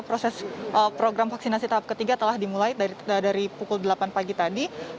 proses program vaksinasi tahap ketiga telah dimulai dari pukul delapan pagi tadi